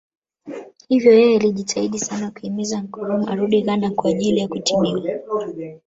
Hivyo yeye alijitahidi sana kuhimiza Nkrumah arudi Ghana kwa ajili ya kutibiwa